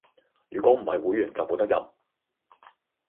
如果唔係會員就冇得入